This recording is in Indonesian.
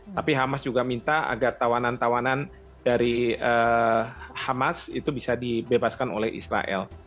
tapi hamas juga minta agar tawanan tawanan dari hamas itu bisa dibebaskan oleh israel